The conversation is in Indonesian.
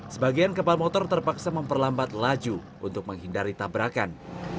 sebagian kapal motor terpaksa memperlambat laju untuk menghindari tabrakan